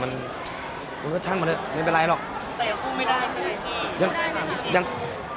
มันมันก็ช่างมันไม่เป็นไรหรอกแต่ยังสู้ไม่ได้ใช่ไหมพี่ยังยัง